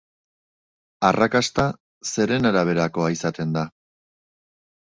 Arrakasta zeren araberakoa izaten da?